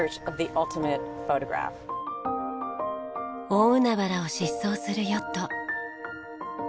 大海原を疾走するヨット。